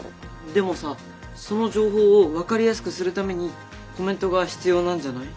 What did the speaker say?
でもさその情報を分かりやすくするためにコメントが必要なんじゃない？